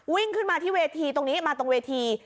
วิ่งขึ้นมาที่เวทีตรงนี้มาตรงเวที